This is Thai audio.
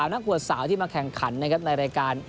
นักบวชสาวที่มาแข่งขันนะครับในรายการ